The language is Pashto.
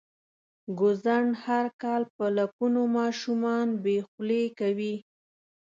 ګوزڼ هر کال په لکونو ماشومان بې خولې کوي.